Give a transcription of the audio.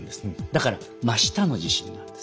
だから真下の地震なんです。